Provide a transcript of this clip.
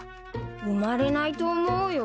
生まれないと思うよ。